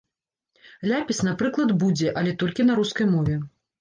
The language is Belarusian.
Ляпіс, напрыклад, будзе, але толькі на рускай мове.